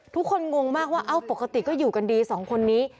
งงมากว่าเอ้าปกติก็อยู่กันดีสองคนนี้